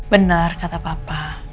benar kata papa